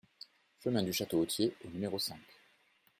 Chemin du Château Authier au numéro cinq